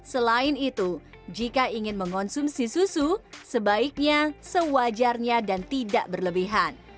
selain itu jika ingin mengonsumsi susu sebaiknya sewajarnya dan tidak berlebihan